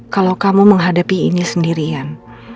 kalau kamu menghadapi ini sendirian